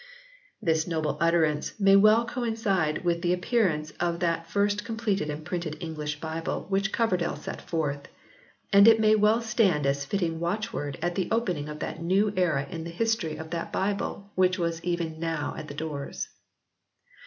This noble utterance may well coincide with the ap pearance of that first completed and printed English Bible which Coverdale sent forth; and it may well stand as fitting watchword at the opening of that new era in the history of that Bible which was even now at the doors.